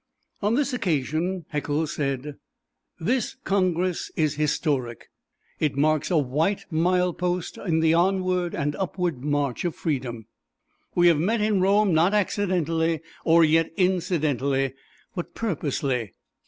On this occasion, Haeckel said: "This Congress is historic. It marks a white milepost in the onward and upward march of Freedom. "We have met in Rome not accidentally or yet incidentally, but purposely.